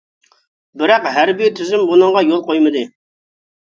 بىراق ھەربىي تۈزۈم بۇنىڭغا يول قويمىدى.